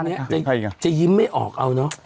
ตอนนี้ใครหรอแต่ยิ่งจะยิ้มไม่ออกเอาเนอะ